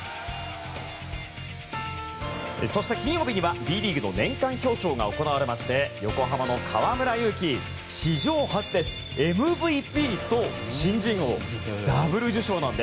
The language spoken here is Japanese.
そして、金曜日にはＢリーグの年間表彰が行われて横浜の河村勇輝、史上初ですＭＶＰと新人王をダブル受賞。